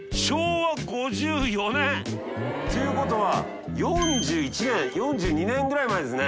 飯尾）ということは４１年４２年ぐらい前ですね。